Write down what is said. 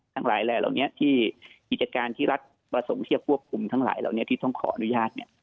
ทั้งหลายแหล่เหล่านี้ที่กิจการที่รัฐประสงค์ที่จะควบคุมทั้งหลายเหล่านี้ที่ต้องขออนุญาต